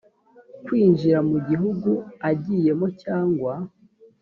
kwinjira mu gihugu agiyemo cyangwa